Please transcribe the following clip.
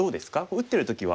打ってる時は。